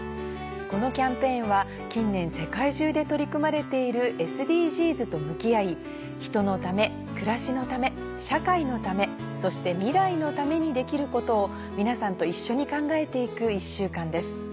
このキャンペーンは近年世界中で取り組まれているＳＤＧｓと向き合い人のため暮らしのため社会のためそして未来のためにできることを皆さんと一緒に考えて行く１週間です。